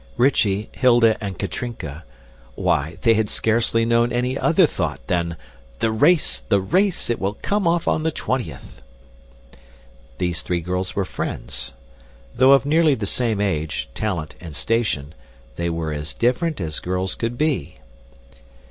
Rychie, Hilda, and Katrinka why, they had scarcely known any other thought than "The race, the race. It will come off on the twentieth!" These three girls were friends. Though of nearly the same age, talent, and station, they were as different as girls could be.